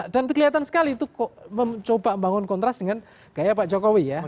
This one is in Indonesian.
dan kelihatan sekali itu mencoba membangun kontras dengan gaya pak jokowi ya